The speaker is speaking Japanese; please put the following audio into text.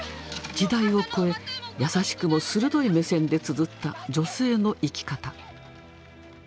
時代を超え優しくも鋭い目線でつづった女性の生き方。